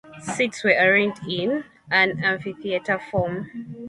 Seats were arranged in an amphitheatre form.